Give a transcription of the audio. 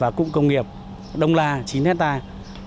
và cụm công nghiệp đông la chín hectare